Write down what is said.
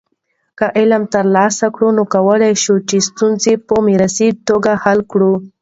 که علم ترلاسه کړې، نو کولی شې چې ستونزې په مؤثره توګه حل کړې.